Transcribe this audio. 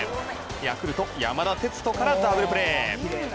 ヤクルト、山田哲人からダブルプレー。